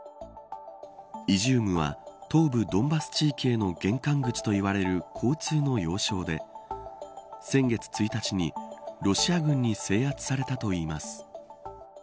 イジュームは東部ドンバス地域への玄関口といわれる交通の要衝で先月１日にロシア軍に制圧されたといいます。